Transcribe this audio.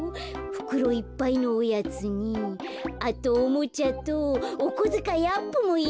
ふくろいっぱいのおやつにあとおもちゃとおこづかいアップもいいねえ。